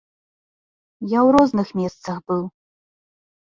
Я ў розных месцах быў.